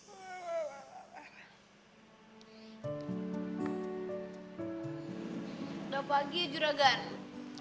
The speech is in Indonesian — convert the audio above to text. udah pagi ya juragan